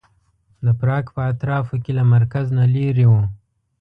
د پراګ په اطرافو کې له مرکز نه لرې و.